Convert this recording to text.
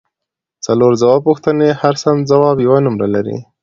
څلور ځوابه پوښتنې هر سم ځواب یوه نمره لري